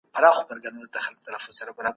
باید د تعصب او کرکې پر ضد غږ پورته سي.